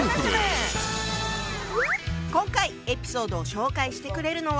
今回エピソードを紹介してくれるのは。